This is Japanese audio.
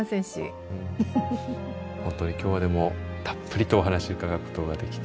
本当に今日はでもたっぷりとお話伺うことができて。